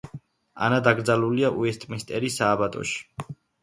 ანა დაკრძალულია უესტმინსტერის სააბატოში.